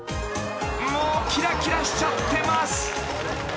［もうきらきらしちゃってます］